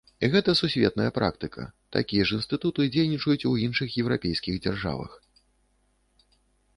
Гэта сусветная практыка, такія ж інстытуты дзейнічаюць у іншых еўрапейскіх дзяржавах.